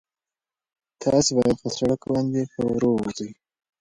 تاسي باید په سړک باندې په ورو ځئ.